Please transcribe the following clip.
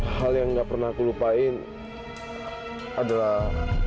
hal yang nggak pernah aku lupain adalah